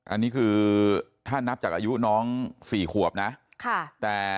อันนี้คือถ้านับจากอายุน้อง๔ขวบนะค่ะแต่